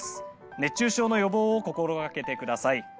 熱中症の予防を心がけてください。